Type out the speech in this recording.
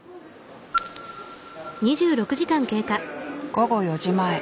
午後４時前。